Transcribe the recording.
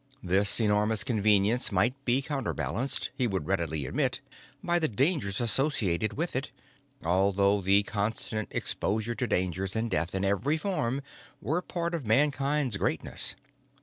This enormous convenience might be counterbalanced, he would readily admit, by the dangers associated with it although the constant exposure to dangers and death in every form were part of Mankind's greatness.